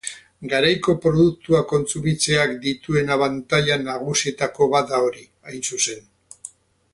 Garaiko produktuak kontsumitzeak dituen abantaila nagusienetako bat da hori, hain zuzen.